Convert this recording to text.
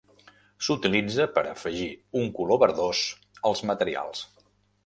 S'utilitza per afegir un color verdós als materials.